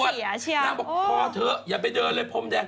นางบอกพอเถอะอย่าไปเดินเลยพรมแดง